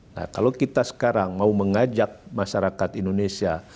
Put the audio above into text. nah kalau kita sekarang mau mengajak masyarakat indonesia